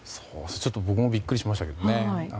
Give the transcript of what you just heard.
ちょっと僕もビックリしましたけどね。